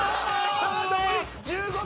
さあ残り１５秒。